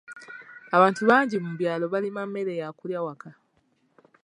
Abantu bangi mu byalo balima mmere ya kulya waka.